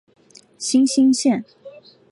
新兴线